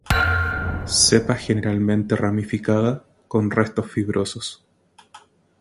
Cepa generalmente ramificada, con restos fibrosos.